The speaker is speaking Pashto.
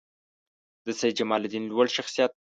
د سیدجمالدین لوړ شخصیت